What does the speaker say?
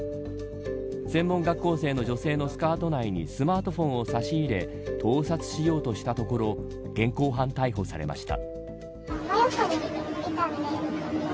専門学校生の女性のスカート内にスマートフォンを差し入れ盗撮しようとしたところ現行犯逮捕されました。